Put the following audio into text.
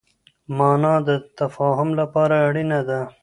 مانا د تفاهم لپاره اړينه ده.